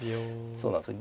そうなんですよ